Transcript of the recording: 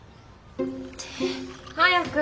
早く。